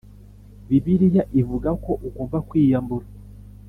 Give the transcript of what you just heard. Bibiliya ivuga ko ugomba kwiyambura